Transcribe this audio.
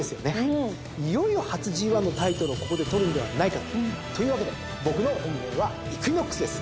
いよいよ初ＧⅠのタイトルをここで取るんではないかと。というわけで僕の本命はイクイノックスです。